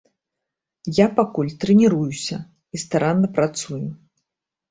Я пакуль трэніруюся і старанна працую.